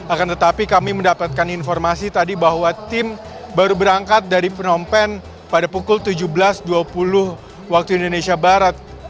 akan tetapi kami mendapatkan informasi tadi bahwa tim baru berangkat dari phnom pen pada pukul tujuh belas dua puluh waktu indonesia barat